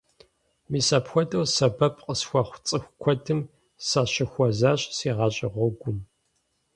Мис апхуэдэу сэбэп къысхуэхъу цӀыху куэдым сащыхуэзащ си гъащӀэ гъуэгум.